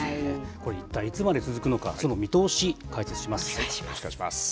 これ一体いつまで続くのか、そのお願いします。